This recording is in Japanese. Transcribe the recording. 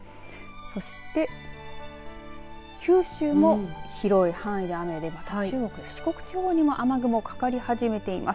そして、九州も広い範囲で雨でまた中国、四国地方にも雨雲、かかり始めています。